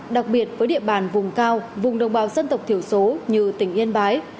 đặc biệt với địa bàn vùng cao vùng đồng bào dân tộc thiểu số như tỉnh yên bái